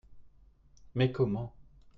Mais comment ?